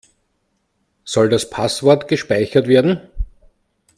Soll das Passwort gespeichert werden?